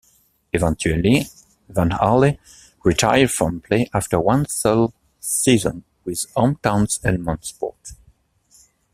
Eventually, van Aerle retired from play after one sole season with hometown's Helmond Sport.